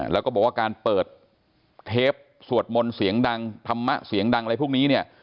แล้วก็บอกว่าการเปิดเทปสวดมนต์เสียงดังธรรมะเสียงดังอะไรพวกนี้เนี่ย